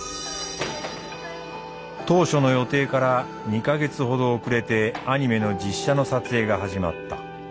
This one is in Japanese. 当初の予定から２か月ほど遅れてアニメの実写の撮影が始まった。